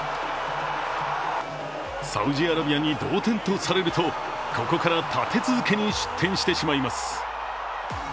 サウジアラビアに同点とされるとここから立て続けに失点してしまいます。